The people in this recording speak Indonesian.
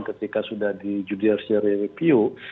ketika sudah di judicial review